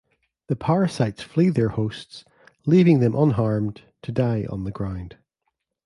The parasites flee their hosts, leaving them unharmed, to die on the ground.